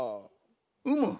うむ。